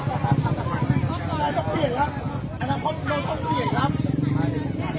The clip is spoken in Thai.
อันดับอันดับอันดับอันดับ